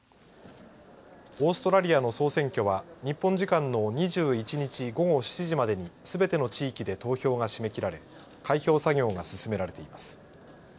オーストラリアの総選挙は日本時間の２１日午後７時までにすべての地域で投票が締め切られ開票作業が進められています。